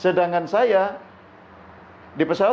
sedangkan saya di pesawat tidak terlalu lama